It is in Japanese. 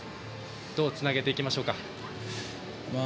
どうつなげていきましょうか？